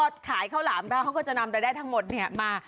ถ้าเฌาหลามชอบก็จะนำได้ทั้งหมดมา